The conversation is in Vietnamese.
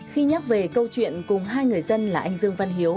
khi nhắc về câu chuyện cùng hai người dân là anh dương văn hiếu